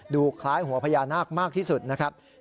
ดูคล้ายหัวพญานาคมากที่สุดนะครับ